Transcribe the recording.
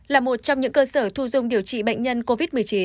là một trong những cơ sở thu dung điều trị bệnh nhân covid một mươi chín